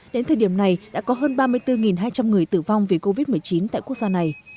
đến thời điểm này đã có hơn ba mươi bốn hai trăm linh người tử vong vì covid một mươi chín tại quốc gia này